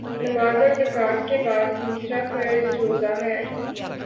نماز اور زکوٰۃ کے بعدتیسرا فرض روزہ ہے